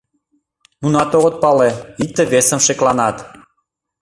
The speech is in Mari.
Нунат огыт пале, икте-весым шекланат.